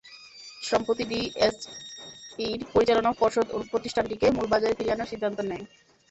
সম্প্রতি ডিএসইর পরিচালনা পর্ষদ প্রতিষ্ঠানটিকে মূল বাজারে ফিরিয়ে আনার সিদ্ধান্ত নেয়।